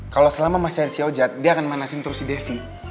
kalau selama masih ada siau jatuh dia akan memanasin terus si devi